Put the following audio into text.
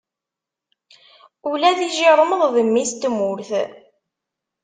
Ula d ijiṛmeḍ d mmis n tmurt.